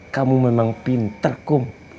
kamu memang pinter kum